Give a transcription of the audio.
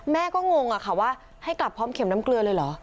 แม่ก็งงอะค่ะว่าให้กลับพร้อมเข็มน้ำเกลือเลยเหรอ